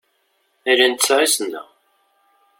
Ala netta i ssneɣ.